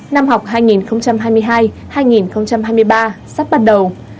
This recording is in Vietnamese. năm học hai nghìn hai mươi hai hai nghìn hai mươi ba sắp bắt đầu